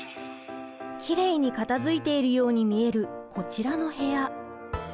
きれいに片づいているように見えるこちらの部屋。